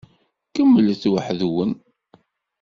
Kemmlet weḥd-wen.